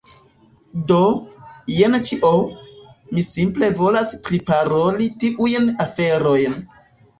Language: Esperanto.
Do, jen ĉio, mi simple volas priparoli tiujn aferojn.